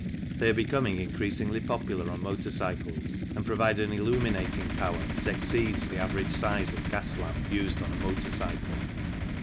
They are becoming increasingly popular on motor cycles, and provide an illuminating power that exceeds the average size of gas lamp used on a motor cycle.